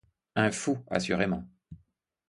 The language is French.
Un fou assurément!